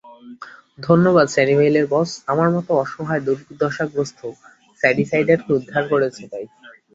ধন্যবাদ, সানিভেইলের বস, আমার মতো অসহায় দুর্দশাগ্রস্ত শ্যাডিসাইডার কে উদ্ধার করেছো তাই।